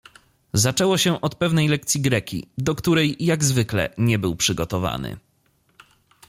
Zaczęło się od pewnej lek cji greki, do której — jak zwykle — nie był przygotowany.